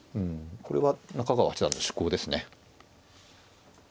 これは中川八段の趣向ですね。